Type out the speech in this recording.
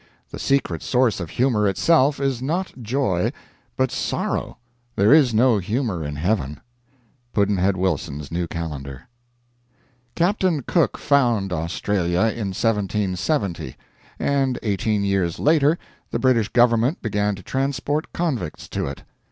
The secret source of Humor itself is not joy but sorrow. There is no humor in heaven. Pudd'nhead Wilson's New Calendar. Captain Cook found Australia in 1770, and eighteen years later the British Government began to transport convicts to it.